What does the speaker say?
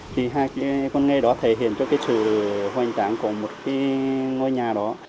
cái con ngây đó thể hiện cho cái sự hoành tráng của một cái ngôi nhà đó